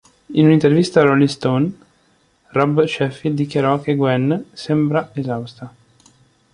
In una intervista a "Rolling Stone", Rob Sheffield dichiarò che Gwen "sembra esausta.